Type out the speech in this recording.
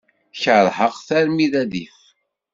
Keṛheɣ-t armi d adif.